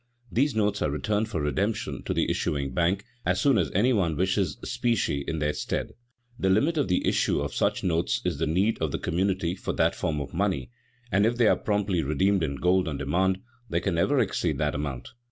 These notes are returned for redemption to the issuing bank as soon as any one wishes specie in their stead. The limit of the issue of such notes is the need of the community for that form of money, and if they are promptly redeemed in gold on demand, they never can exceed that amount.